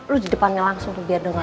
lo di depannya langsung biar denger